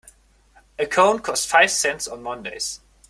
A cone costs five cents on Mondays.